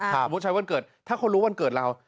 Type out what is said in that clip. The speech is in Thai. สมมุติใช้วันเกิดถ้าเขารู้วันเกิดเรา